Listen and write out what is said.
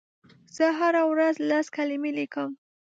زه هره ورځ لس کلمې لیکم.